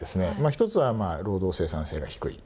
１つは労働生産性が低い。